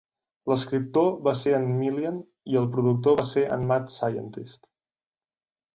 L"escriptor va ser en Milian i el productor va ser en Madd Scientist.